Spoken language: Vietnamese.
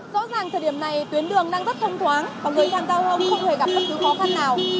rõ ràng thời điểm này tuyến đường đang rất thông thoáng và người tham gia không hề gặp các thứ khó khăn nào